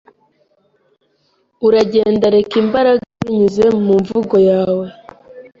Uragenda reka imbaraga binyuze mumvugo yawe